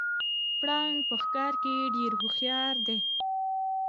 پړانګ په ښکار کې ډیر هوښیار دی